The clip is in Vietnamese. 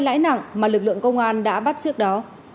lãi nặng mà lực lượng công an đã bắt trước đó